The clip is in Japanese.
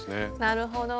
なるほど。